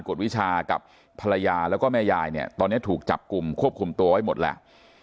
วิชากับภรรยาแล้วก็แม่ยายเนี่ยตอนนี้ถูกจับกลุ่มควบคุมตัวไว้หมดแล้ว